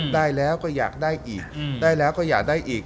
ได้แล้วก็อยากได้อีกได้แล้วก็อยากได้อีก